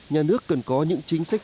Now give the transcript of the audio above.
nhà nước cần có những chính sách